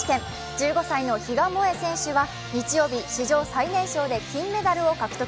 １５歳の比嘉もえ選手は日曜日、史上最年少で金メダルを獲得。